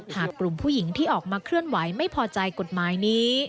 หากกลุ่มผู้หญิงที่ออกมาเคลื่อนไหวไม่พอใจกฎหมายนี้